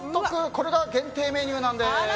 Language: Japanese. これが限定メニューンなんです。